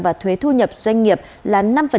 và thuế thu nhập doanh nghiệp là năm